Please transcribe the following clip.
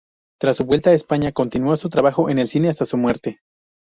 Tras su vuelta a España, continuó su trabajo en el cine hasta su muerte.